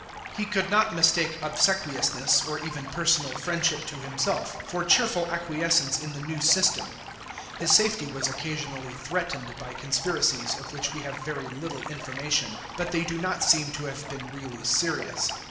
He could not mistake obsequiousness, or even personal friendship to himself, for cheerful acquiescence in the new system. His safety was occasionally threatened by conspiracies, of which we have very little information ; but they do not seem to have been really serious.